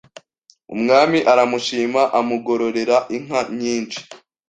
Umwami aramushima amugororera inka nyinshi